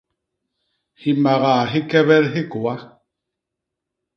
Himagaa hikebet hikôa.